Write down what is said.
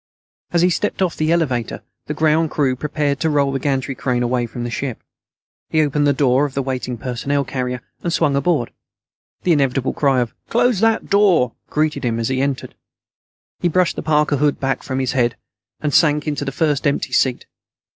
As he stepped off the elevator, the ground crew prepared to roll the gantry crane away from the ship. He opened the door of the waiting personnel carrier and swung aboard. The inevitable cry of "close that door" greeted him as he entered. He brushed the parka hood back from his head, and sank into the first empty seat.